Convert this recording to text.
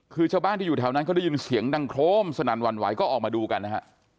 คือชาวบ้านที่อยู่แถวนั้นเขาได้ยินเสียงดังโครมสนั่นหวั่นไหวก็ออกมาดูกันนะฮะ